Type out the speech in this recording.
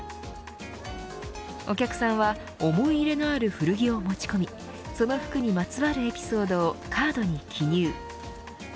お客さんは思い入れのある古着を持ち込みその服にまつわるエピソードをカードに記入。